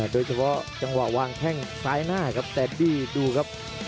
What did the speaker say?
โดยเฉพาะจังหวะวางแข้งสลายหน้าแย่ดีดูครับ